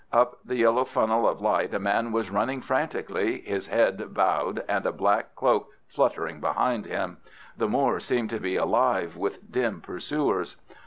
Up the yellow funnel of light a man was running frantically, his head bowed and a black cloak fluttering behind him. The moor seemed to be alive with dim pursuers.